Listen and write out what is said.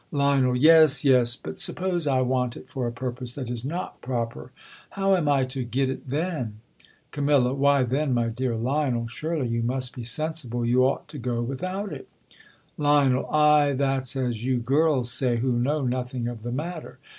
Lion. Yes, yes ; but suppose I want it for a pur pose that is not proper, how am I to get it then ? Cam, Why, then, my dear Lionel, surely you must be sensible you ought to go without it. Lion. Aye, that's as you girls say, who know noth ing of the matter.